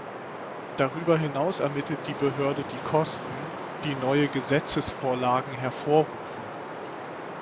Darüber hinaus ermittelt die Behörde die Kosten, die neue Gesetzesvorlagen hervorrufen.